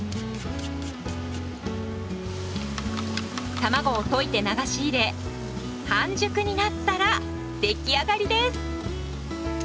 卵を溶いて流し入れ半熟になったら出来上がりです。